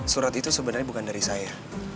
surat itu sebenarnya bukan dari saya